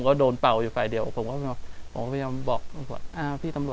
กลับมาที่สุดท้ายและกลับมาที่สุดท้าย